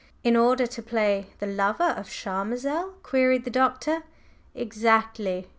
"In order to play the lover of Charmazel?" queried the Doctor. "Exactly!"